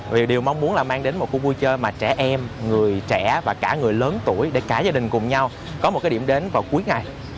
vì điều mong muốn là mang đến một khu vui chơi mà trẻ em người trẻ và cả người lớn tuổi để cả gia đình cùng nhau có một cái điểm đến vào cuối ngày